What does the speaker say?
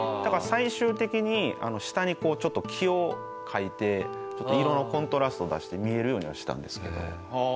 最終的に下にちょっと木を描いて色のコントラストを出して見えるようにはしたんですけど。